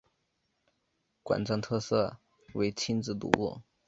馆藏特色为亲子读物。